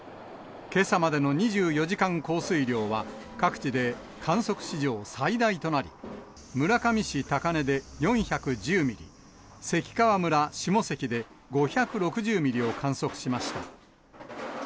けさまでの２４時間降水量は、各地で観測史上最大となり、村上市高根で４１０ミリ、関川村下関で５６０ミリを観測しました。